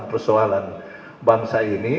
persoalan bangsa ini